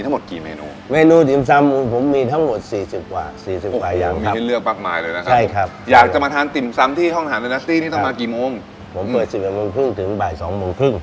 ต้องมากี่โมงผมเปิดสิดสิบเอิงมึงครึ่งถึงบ่ายสองมือ